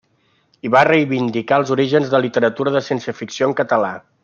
I va reivindicar els orígens de la literatura de ciència-ficció en català.